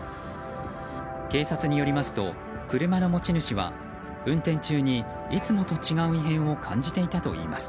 警察によりますと車の持ち主は運転中に、いつもと違う異変を感じていたといいます。